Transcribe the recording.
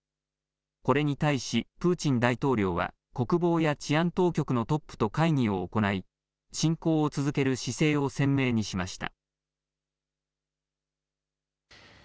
これに対しプーチン大統領は国防や治安当局のトップと会議を行い、侵攻を続ける姿勢を鮮明にしました。